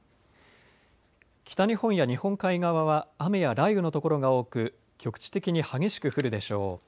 北日本や日本海側は雨や雷雨のところが多く局地的に激しく降るでしょう。